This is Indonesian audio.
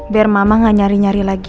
biar mama gak nyari nyari lagi